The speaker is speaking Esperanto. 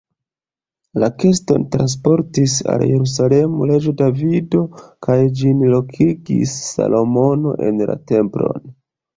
La keston transportis al Jerusalemo reĝo Davido kaj ĝin lokigis Salomono en la templon.